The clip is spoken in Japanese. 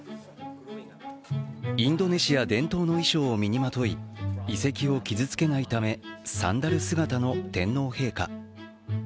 インドネシア伝統の衣装を身にまとい、遺跡を傷つけないため、サンダル姿の天皇陛下。